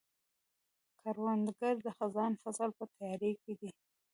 کروندګر د خزان فصل په تیاري کې دی